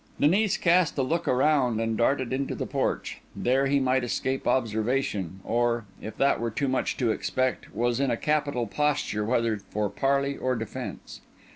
Denis cast a look around and darted into the porch. There he might escape observation, or—if that were too much to expect—was in a capital posture whether for parley or defence.